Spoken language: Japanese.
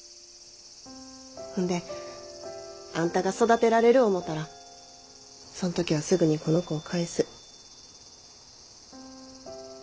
ほんであんたが育てられる思うたらその時はすぐにこの子を返す。